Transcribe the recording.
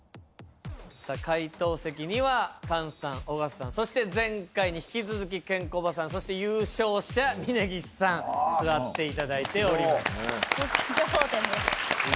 さあ解答席には菅さん尾形さんそして前回に引き続きケンコバさんそして優勝者峯岸さん座って頂いております。